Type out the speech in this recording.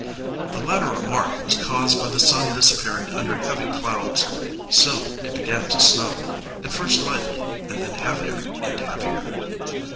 The latter remark was caused by the sun disappearing under heavy clouds. Soon it began to snow, at first lightly, and then heavier and heavier.